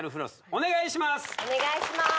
お願いします